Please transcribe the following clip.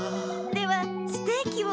ではステーキを。